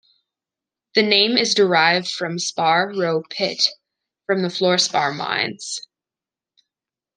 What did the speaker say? The name is derived from 'spar row pit' from the fluorspar mines.